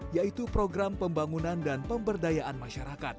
yaitu program pembangunan dan pemberdayaan masyarakat